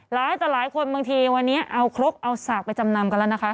ต่อหลายคนบางทีวันนี้เอาครกเอาสากไปจำนำกันแล้วนะคะ